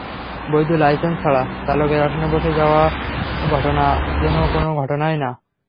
বৈধ লাইসেন্স ছাড়া চালকের আসনে বসে যাওয়ার ঘটনা যেন কোনো ঘটনাই না।